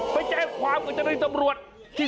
ไปแจ้งความกันจากในตำรวจที่